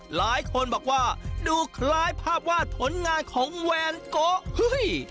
หลายคนบอกว่าดูคล้ายภาพวาดผลงานของแวนโกะเฮ้ย